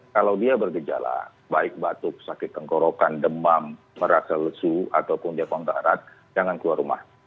kalau dia bergejala baik batuk sakit tenggorokan demam merasa lesu ataupun dia kontak erat jangan keluar rumah